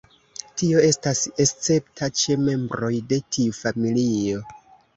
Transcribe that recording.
Tio estas escepta ĉe membroj de tiu familio.